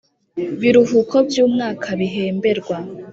Biruhuko by umwaka bihemberwa